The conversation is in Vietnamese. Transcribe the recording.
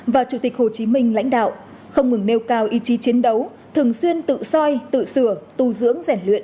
và chủ tịch hồ chí minh lãnh đạo không ngừng nêu cao ý chí chiến đấu thường xuyên tự soi tự sửa tu dưỡng rèn luyện